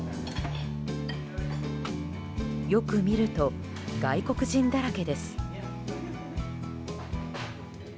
よく見ると外国人だらけです。